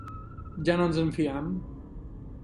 Ja no ens en fiem.